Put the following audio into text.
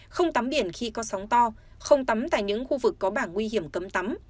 không tắm biển khi có sóng to không tắm tại những khu vực có bảng nguy hiểm cấm tắm